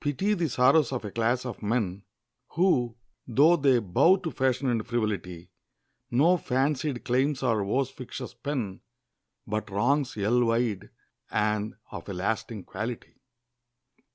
] Pity the sorrows of a class of men, Who, though they bow to fashion and frivolity, No fancied claims or woes fictitious pen, But wrongs ell wide, and of a lasting quality.